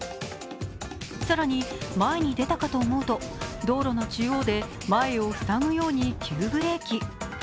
更に、前に出たかと思うと道路の中央で前を塞ぐように急ブレーキ。